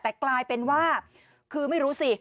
แต่กลายเป็นว่าคือไม่รู้สิ